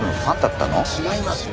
違いますよ！